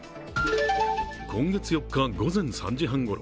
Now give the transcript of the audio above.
今月４日、午前３時半ごろ